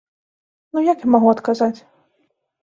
Ну як я магу адказаць?